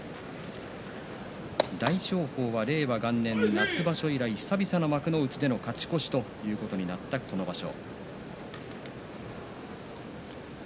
大翔鵬は令和元年夏場所以来久々の幕内での勝ち越しとなったこの場所。